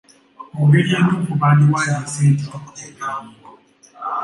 Mu ngeri entuufu bandiwandiise nti tutunda ebintu.